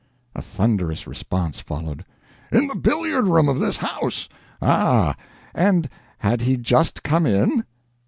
A thunderous response followed "In the billiard room of this house!" "Ah. And had he just come in?"